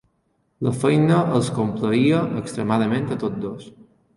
La feina els complaïa extremadament a tots dos.